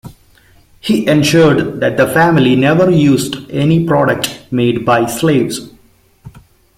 He ensured that the family never used any product made by slaves.